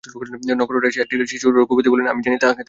নক্ষত্ররায়, সে একটি শিশু– রঘুপতি বলিলেন, আমি জানি, তাহাকে জানি।